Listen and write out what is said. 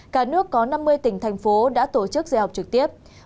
cả nước có năm mươi tỉnh thành phố đã tổ chức dạy học trực tiếp